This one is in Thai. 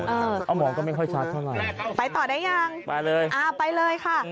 เอามองก็ไม่ค่อยชัดเท่าไหร่ไปต่อได้ยังไปเลยอ่าไปเลยค่ะ